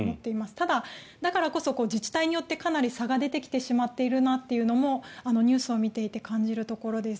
ただ、だからこそ自治体によってかなり差が出てきてしまっているなというのもニュースを見ていて感じるところです。